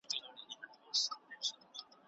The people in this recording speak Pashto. نه لوګی نه مي لمبه سته جهاني رنګه ویلېږم